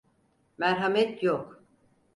Merhamet yok!